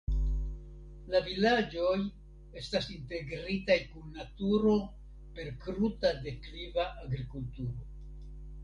La vilaĝoj estas integritaj kun naturo per kruta dekliva agrikulturo.